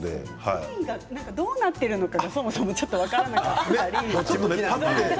繊維がどうなっているのかがそもそも分からない。